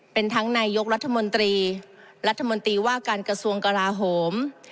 เป็นทั้งนายกรัฐมนตรีรัฐมนตรีว่าการกระทรวงกราโหม